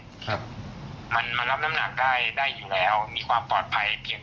ครับมันมันรับน้ำหนักได้ได้อยู่แล้วมีความปลอดภัยเพียง